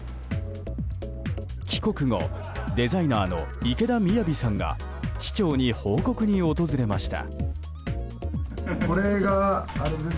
帰国後デザイナーの池田雅さんが市長に報告に訪れました。